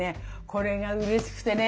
これがうれしくてね